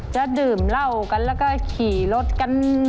จะดื่มเหล้ากันแล้วก็ขี่รถกัน